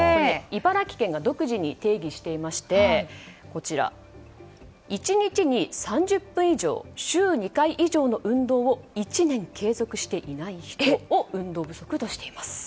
茨城県が独自に定義していまして１日に３０分以上週２回以上の運動を１年継続していない人を運動不足としています。